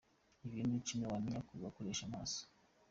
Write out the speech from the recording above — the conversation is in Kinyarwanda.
Ibintu icumi wamenya ku bakoresha imoso.